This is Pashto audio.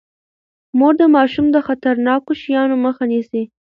مور د ماشوم د خطرناکو شيانو مخه نيسي.